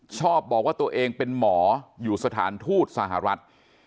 ชอบบอกว่าตัวเองเป็นหมออยู่สถานทูตสหรัฐ